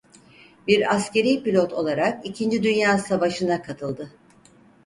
Bir askeri pilot olarak ikinci Dünya Savaşı'na katıldı.